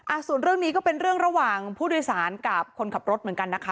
ส่วนเรื่องนี้ก็เป็นเรื่องระหว่างผู้โดยสารกับคนขับรถเหมือนกันนะคะ